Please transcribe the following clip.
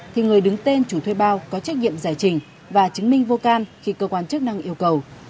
thì người đứng tên chủ thuê bao có trách nhiệm giải trình và chứng minh vô can khi cơ quan chức năng yêu cầu